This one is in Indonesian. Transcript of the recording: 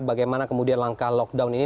bagaimana kemudian langkah lockdown ini